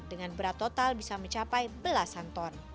dengan berat total bisa mencapai belasan ton